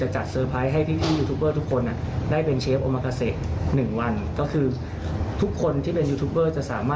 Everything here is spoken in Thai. ใช่ครับ